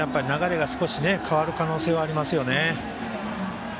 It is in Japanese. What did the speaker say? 流れが少し変わる可能性はありますよね。